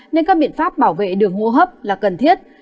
nên các biện pháp bảo vệ đường hô hấp là cần thiết